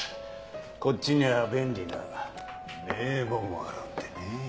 こっちには便利な名簿もあるんでね。